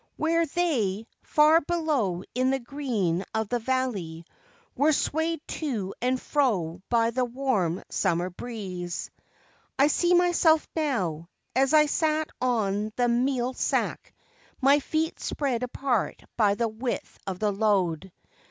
Where they, far below in the green of the valley, were swayed to and fro by the warm summer breeze. I see myself now, as I sat on the meal sack, my feet spread apart by the width of the load.